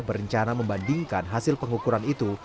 berencana membandingkan hasil pengukuran itu